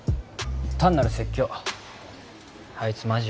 単なる説教あいつマジ